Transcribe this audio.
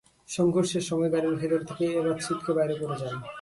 সংঘর্ষের সময় গাড়ির ভেতর থেকে এবাদ ছিটকে বাইরে পড়ে যান।